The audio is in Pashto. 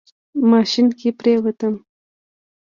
ماشين کې پرېوتم.